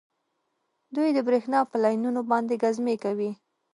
دوی د بریښنا په لینونو باندې ګزمې کوي